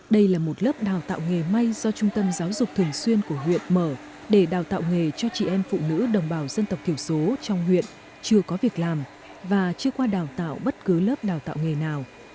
đây là một lớp đào tạo nghề may do trung tâm giáo dục thường xuyên của huyện mở để đào tạo nghề cho chị em phụ nữ đồng bào dân tộc thiểu số trong huyện chưa có việc làm và chưa qua đào tạo bất cứ lớp đào tạo nghề nào